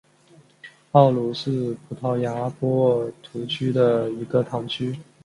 奥卢是葡萄牙波尔图区的一个堂区。